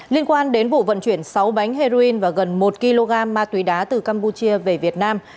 liên quan đến vụ vận chuyển sáu bánh heroin và gần một kg ma túy đá từ campuchia về việt nam